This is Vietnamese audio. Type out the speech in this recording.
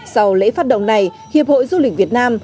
sau lễ phát động này hiệp hội du lịch việt nam